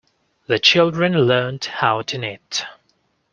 The children learned how to knit.